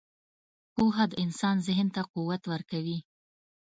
• پوهه د انسان ذهن ته قوت ورکوي.